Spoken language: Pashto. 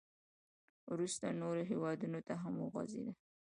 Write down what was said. • وروسته نورو هېوادونو ته هم وغځېد.